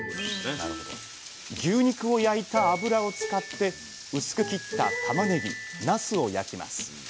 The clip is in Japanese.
牛肉を焼いた脂を使って薄く切ったたまねぎなすを焼きます。